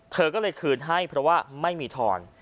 เธอก็เลยคืนให้เพราะว่าไม่มีทอน